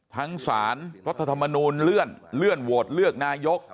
ทั้งสารรัฐธรรมนูลเลื่อนเลื่อนโหวตเลือกนายก